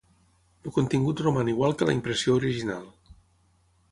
El contingut roman igual que la impressió original.